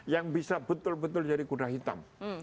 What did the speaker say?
yang bisa betul betul jadi kuda hitam